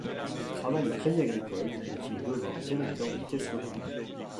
Il travaille au Crédit agricole, dont il devient directeur d'une caisse locale.